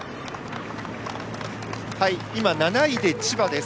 ７位で千葉です。